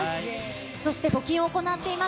そして募金を行っています。